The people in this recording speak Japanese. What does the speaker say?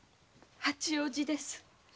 八王子です。